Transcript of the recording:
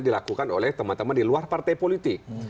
dilakukan oleh teman teman di luar partai politik